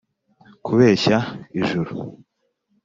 kubeshya ijuru